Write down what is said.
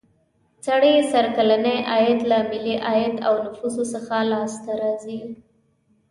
سړي سر کلنی عاید له ملي عاید او نفوسو څخه لاس ته راځي.